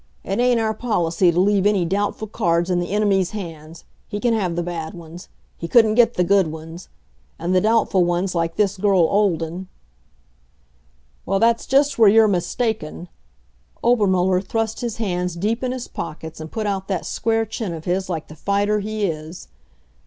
It ain't our policy to leave any doubtful cards in the enemy's hands. He can have the bad ones. He couldn't get the good ones. And the doubtful ones, like this girl Olden " "Well, that's just where you're mistaken!" Obermuller thrust his hands deep in his pockets and put out that square chin of his like the fighter he is.